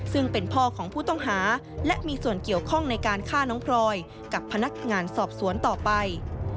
ซึ่งเป็นพ่อของผู้ต้องหาและมีส่วนเกี่ยวข้องในการฆ่าน้องพลอยกับพนักงานสอบสวนต่อไป